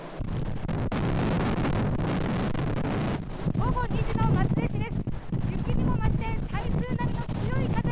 午後２時の松江市です。